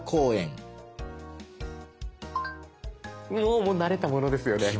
おもう慣れたものですよね。